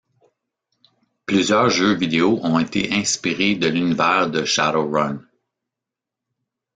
Plusieurs jeux vidéo ont été inspirés de l'univers de Shadowrun.